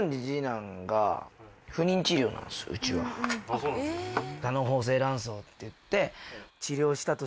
そうなんですか。